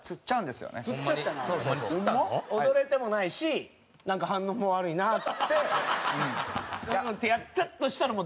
踊れてもないしなんか反応も悪いなっつってんってやったとしたらもう。